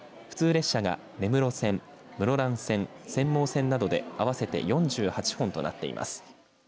列車が根室線、室蘭線釧網線などで合わせて４８本となっています。